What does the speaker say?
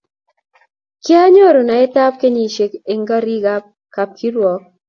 Kianyoru naitaetab kenyisiek eng gorikab kapkirwok